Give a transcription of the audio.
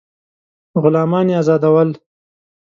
غلامان یې آزادول.